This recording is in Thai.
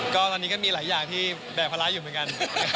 ก็ตอนนี้ก็มีหลายอย่างที่แบกภาระอยู่เหมือนกัน